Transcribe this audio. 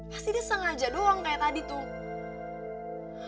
pasti dia sengaja doang kayak tadi tuh